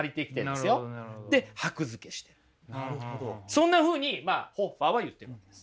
そんなふうにホッファーは言ってるんです。